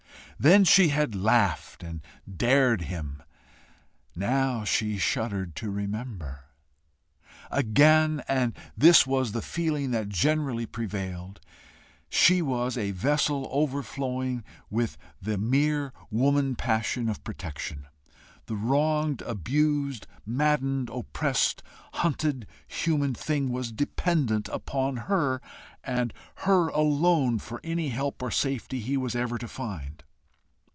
Then she had laughed and dared him; now she shuddered to remember. Again, and this was the feeling that generally prevailed, she was a vessel overflowing with the mere woman passion of protection: the wronged, abused, maddened, oppressed, hunted human thing was dependent upon her, and her alone, for any help or safety he was ever to find.